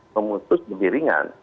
memutus lebih ringan